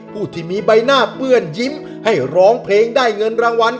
ผู้ที่มีใบหน้าเปื้อนยิ้มให้ร้องเพลงได้เงินรางวัล